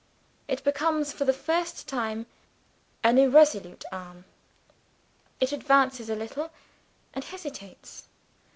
It becomes, for the first time, an irresolute arm. It advances a little and hesitates.